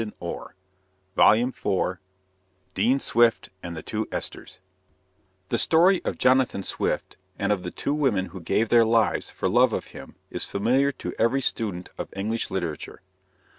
END OF VOLUME THREE DEAN SWIFT AND THE TWO ESTHERS The story of Jonathan Swift and of the two women who gave their lives for love of him is familiar to every student of English literature.